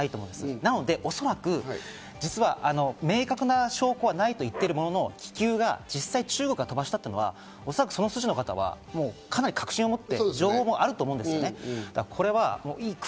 なのでおそらく、実は明確な証拠はないと言ってるものの、気球が実際、中国が飛ばしたということを、おそらくその筋の方はかなり確信をもって情報もあると思うんです。